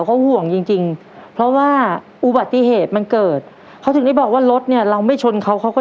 เขาก็ชนเรา